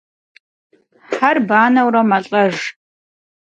Хьэр банэурэ мэлӏэж.